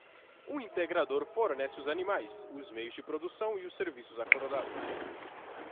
O integrador fornece os animais, os meios de produção e os serviços acordados.